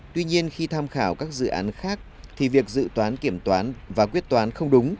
tuy nhiên khi tham khảo các dự án khác thì việc dự toán kiểm toán và quyết toán không đúng